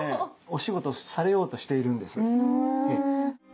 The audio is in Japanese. お仕事されようとしているんです。